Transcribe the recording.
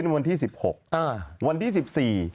วันที่สิบสี่